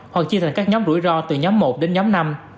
hoặc chia thành các nhóm rủi ro từ nhóm một đến nhóm năm